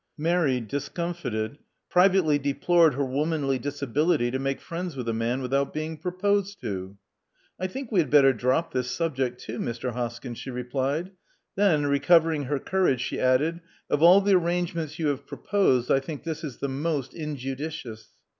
Mary discomfited, privately deplored her womanly disability to make friends with a man without being proposed to. I think we had better drop this subject, too, Mr. Hoskyn," she replied. Then, recovering her courage, she added, "Of all the arrangements you have proposed, I think this is the most injudicious.'